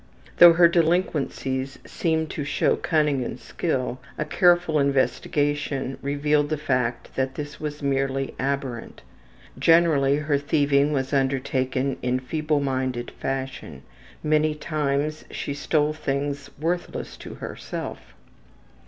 Though her delinquencies seemed to show cunning and skill, a careful investigation revealed the fact that this was merely aberrant. Generally her thieving was undertaken in feebleminded fashion; many times she stole things worthless to herself.